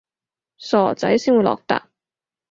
傻仔先會落疊